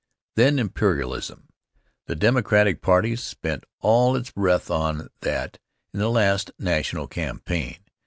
Then imperialism. The Democratic party spent all its breath on that in the last national campaign.